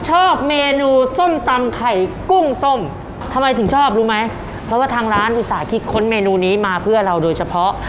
ชอบเมนูส้มตำไข่กุ้งส้มทำไมถึงชอบรู้ไหมเพราะว่าทางร้านอุตส่าหคิดค้นเมนูนี้มาเพื่อเราโดยเฉพาะ